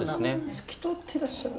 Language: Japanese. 透き通ってらっしゃる。